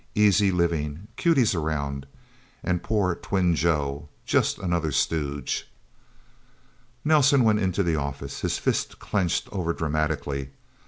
Easy living. Cuties around. And poor twin Joe just another stooge... Nelsen went into the office, his fists clenched overdramatically.